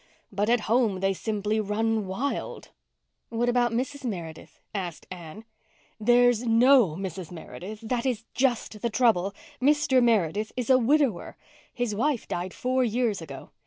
But at home they simply run wild." "What about Mrs. Meredith?" asked Anne. "There's no Mrs. Meredith. That is just the trouble. Mr. Meredith is a widower. His wife died four years ago.